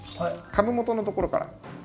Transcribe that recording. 株元のところから。